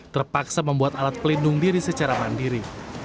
terpaksa membuat alat pelindung diri secara mandiri